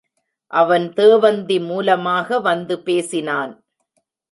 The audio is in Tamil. அவன் தேவந்தி மூலமாக வந்து பேசினான்.